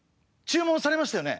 注文されましたよね。